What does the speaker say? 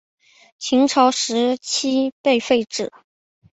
秦朝时期被废止。